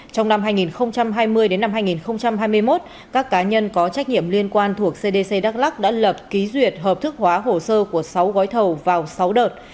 trong năm hai nghìn hai mươi hai nghìn hai mươi một các cá nhân có trách nhiệm liên quan thuộc cdc đắk lắc đã lập ký duyệt hợp thức hóa hồ sơ của sáu gói thầu vào sáu đợt